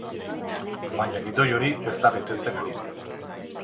Baina gidoi hori ez da betetzen ari.